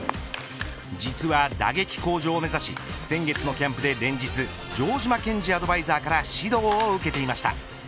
実は打撃向上を目指し先月のキャンプで連日城島健司アドバイザーから指導を受けていました。